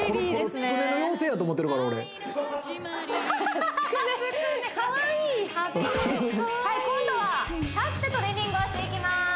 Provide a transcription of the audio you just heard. つくねつくねかわいいはい今度は立ってトレーニングをしていきます